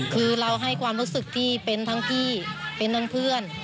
คือเราให้ความรู้สึกที่เป็นทั้งพี่เป็นทั้งเพื่อน